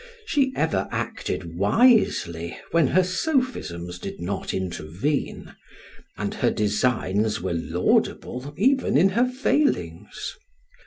She ever acted wisely when her sophisms did not intervene, and her designs were laudable even in her failings.